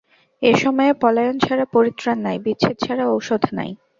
এ সময়ে পলায়ন ছাড়া পরিত্রাণ নাই, বিচ্ছেদ ছাড়া ঔষধ নাই।